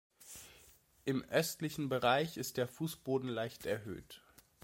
Im östlichen Bereich ist der Fußboden leicht erhöht.